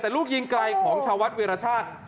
แต่ลูกยิงไกลของชาววัดวิรชาติ